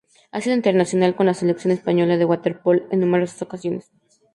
Ha sido internacional con la selección española de waterpolo en numerosas ocasiones.